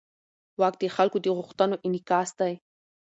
واک د خلکو د غوښتنو انعکاس دی.